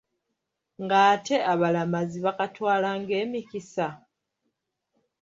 Ng’ate abalamazi bakatwala ng’emikisa.